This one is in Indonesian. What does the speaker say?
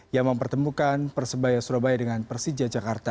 yang mempertemukan persebaya surabaya dengan persija jakarta